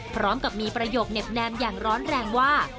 พร้อมกับมีประโยคเน็บแนมอย่างร้อนแรงว่า